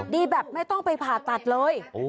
ดีแบบไม่ต้องไปผ่าตัดเลย